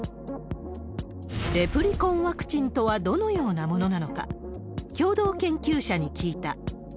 レプリコンワクチンとはどのようなものなのか、共同研究者に聞いた。